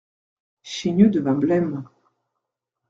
Chaigneux devint blême.